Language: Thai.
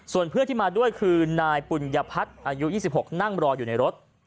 ส่วนเพื่อนที่มาด้วยคือนายปุญญพัฒน์อายุ๒๖นั่งรออยู่ในรถ